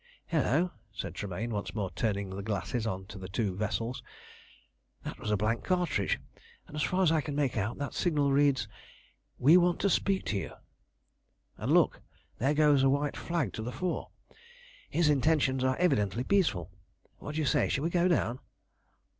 "Hullo!" said Tremayne, once more turning the glasses on the two vessels, "that was a blank cartridge, and as far as I can make out that signal reads, 'We want to speak you.' And look: there goes a white flag to the fore. His intentions are evidently peaceful. What do you say, shall we go down?"